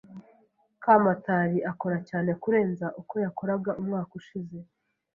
Kamatari akora cyane kurenza uko yakoraga umwaka ushize.